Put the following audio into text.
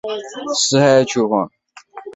四海求凰。